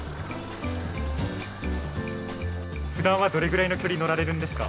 ふだんはどれぐらいの距離乗られるんですか？